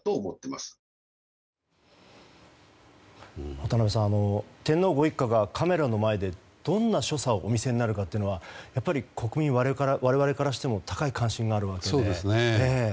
渡辺さん、天皇ご一家がカメラの前でどんな所作をお見せになるかはやっぱり国民、我々からしても高い関心があるわけですね。